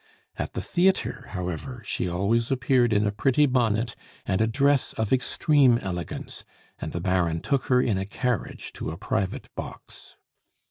At the theatre, however, she always appeared in a pretty bonnet and a dress of extreme elegance; and the Baron took her in a carriage to a private box.